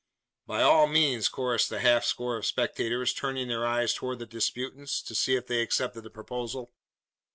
"By all means!" chorused the half score of spectators, turning their eyes towards the disputants, to see if they accepted the proposal.